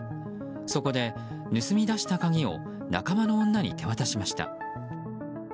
そこで、盗み出した鍵を仲間の女に手渡しました。